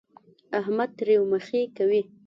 احمد تريو مخی کوي.